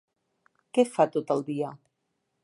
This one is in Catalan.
Què fa tot el dia?